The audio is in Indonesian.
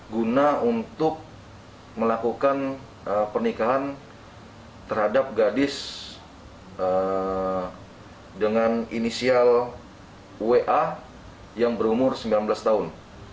guna untuk melakukan pernikahan terhadap gadis dengan inisial wa yang berumur sembilan belas tahun